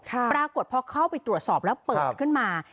ปรากฏพอเข้าไปตรวจสอบแล้วเปิดขึ้นมา